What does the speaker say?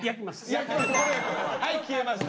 はい消えました！